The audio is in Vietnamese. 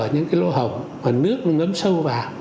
những cái lỗ hồng và nước nó ngấm sâu vào